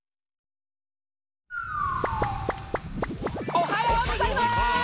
おはようございます！